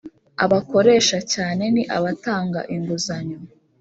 abakoresha cyane ni abatanga inguzanyo.